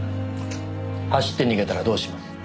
走って逃げたらどうします？